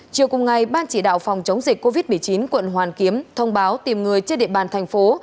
chiều cùng ngày ban chỉ đạo phòng chống dịch covid một mươi chín quận hoàn kiếm thông báo tìm người trên địa bàn thành phố